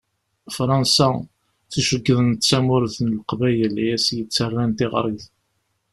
Fransa i tt-ceggḍen d tamurt n Leqbayel i as-d-yettaran tiɣrit.